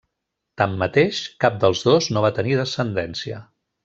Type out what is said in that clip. Tanmateix, cap dels dos no va tenir descendència.